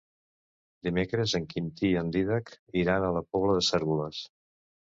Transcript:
Dimecres en Quintí i en Dídac iran a la Pobla de Cérvoles.